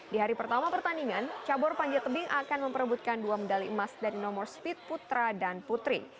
di hari pertama pertandingan cabur panjat tebing akan memperebutkan dua medali emas dari nomor speed putra dan putri